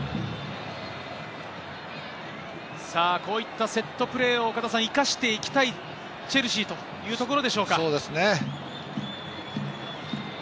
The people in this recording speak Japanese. こういったセットプレーを生かしていきたいチェルシーというところでしょうか。